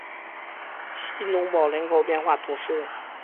希农堡人口变化图示